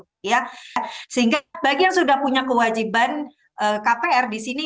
sehingga bagi yang sudah punya kewajiban kpr di sini